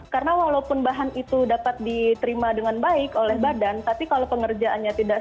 karena walaupun bahan itu dapat diterima dengan baik oleh badan tapi kalau pengerjaannya tidak